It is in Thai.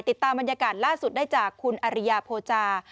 ติดตามบรรยากาศล่าสุดได้จากคุณอริยาโพจา